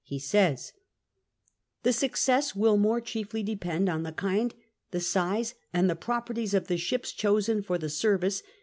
He says : The success ... will more chiefly depend on the kind, the size, and the propeities of the ships chosen for the service